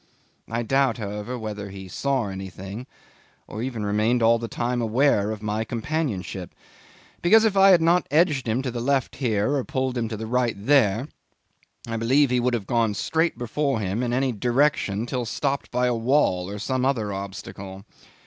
I doubt, however, whether he saw anything, or even remained all the time aware of my companionship, because if I had not edged him to the left here, or pulled him to the right there, I believe he would have gone straight before him in any direction till stopped by a wall or some other obstacle.